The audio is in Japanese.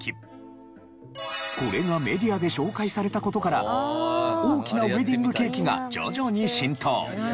これがメディアで紹介された事から大きなウエディングケーキが徐々に浸透。